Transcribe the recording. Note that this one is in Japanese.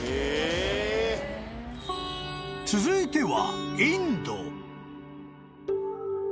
［続いては］